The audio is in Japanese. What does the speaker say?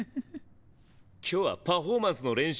今日はパフォーマンスの練習だな。